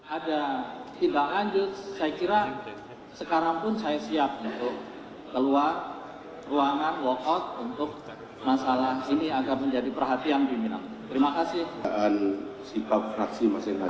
ada tindakan saya kira sekarang pun saya siap untuk keluar ruangan walkout untuk masalah ini agar menjadi perhatian di minum terima kasih